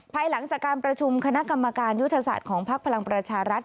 ภายหลังจากการประชุมคณะกรรมการยุทธศาสตร์ของพักพลังประชารัฐ